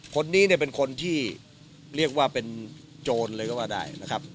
คนนี้เนี่ยเป็นคนที่เรียกว่าเป็นโจรเลยก็ว่าได้นะครับ